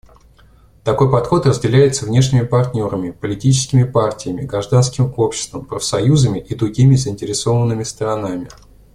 Такой подход разделяется внешними партнерами, политическими партиями, гражданским общество, профсоюзами и другими заинтересованными сторонами.